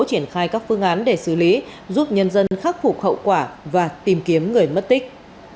triển khai các phương án để xử lý giúp nhân dân khắc phục hậu quả và tìm kiếm người mất tích